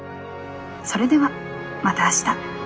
「それではまた明日」。